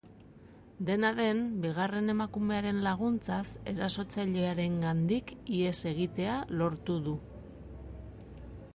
Dena den, bigarren emakumearen laguntzaz, erasotzailearengandik ihes egitea lortu du.